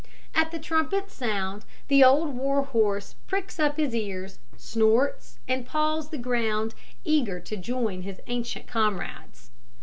At the trumpet's sound, the old war horse pricks up his ears, snorts, and paws the ground, eager to join his ancient comrades.